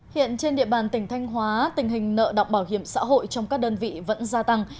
hiện trên địa bàn tỉnh thanh hóa tình hình nợ động bảo hiểm xã hội trong các đơn vị vẫn gia tăng